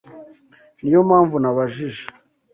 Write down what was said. Niyo mpamvu nabajije.